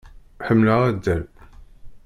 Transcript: Ḥemmleɣ addal.